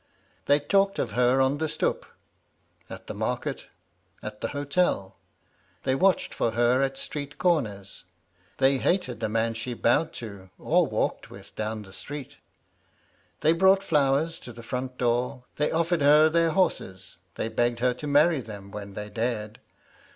They talked of her on the stoep, at the market, at the hotel; they watched for her at street corners; they hated the man she bowed to or walked with down the street. They brought flowers to the front door; they offered her their horses; they begged her to marry them when they dared.